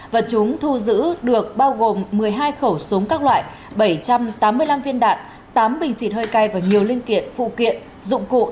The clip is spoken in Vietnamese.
vật chúng thu giữ được bao gồm một mươi hai khẩu súng các loại bảy trăm tám mươi năm viên đạn tám bình xịt hơi cay và nhiều linh kiện phụ kiện dụng cụ